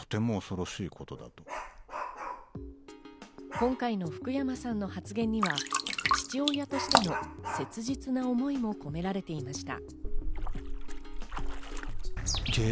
今回の福山さんの発言には父親としての切実な思いも込められていました。